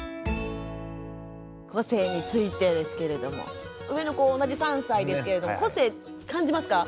個性についてですけれども上の子同じ３歳ですけれども個性感じますか？